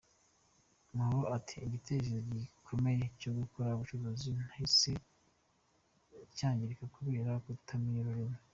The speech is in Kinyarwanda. Mahoro ati “Igitekerezo gikomeye cyo gukora ubucuruzi cyahise cyangirika kubera kutamenya ururimi.